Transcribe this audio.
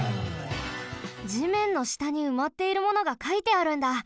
地面のしたにうまっているものがかいてあるんだ。